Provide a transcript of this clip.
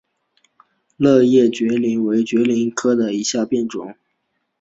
栎叶槲蕨为槲蕨科槲蕨属下的一个种。